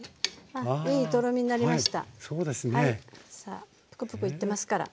さあプクプクいってますから。